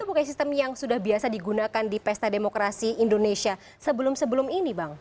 bukan sistem yang sudah biasa digunakan di pesta demokrasi indonesia sebelum sebelum ini bang